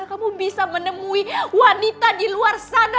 kamu bisa menemui wanita di luar sana